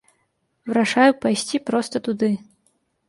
Вырашаю пайсці проста туды.